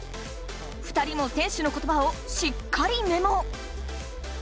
２人も選手の言葉をしっかりメモ。